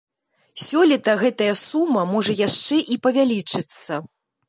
Сёлета гэтая сума можа яшчэ і павялічыцца.